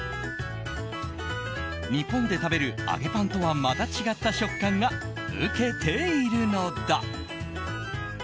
日本で食べる揚げパンとはまた違った食感が受けているのだ。